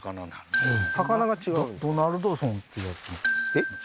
えっ？